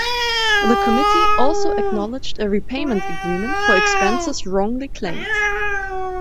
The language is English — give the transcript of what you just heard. The Committee also acknowledged a repayment agreement for expenses wrongly claimed.